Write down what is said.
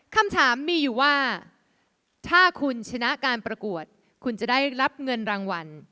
คำถามมีอยู่ว่าถ้าคุณชนะการประกวดคุณจะได้รับเงินรางวัล